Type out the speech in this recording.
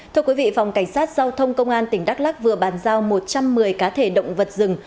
thưa quý vị phòng cảnh sát giao thông công an tỉnh đắk lắc vừa bàn giao một trăm một mươi cá thể động vật rừng